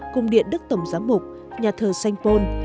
cung điện đức tổng giám mục nhà thờ sanh pôn